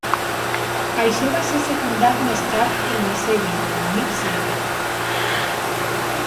Això va ser secundat més tard en la sèrie durant mig segle.